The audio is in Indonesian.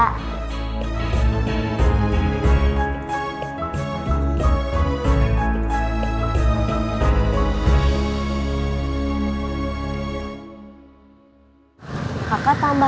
kaka tambah lapar pulang yuk